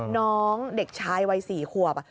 น้องเด็กชายวัย๔ขวบ